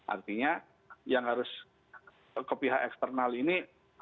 artinya yang harus ke pihak eksternal ini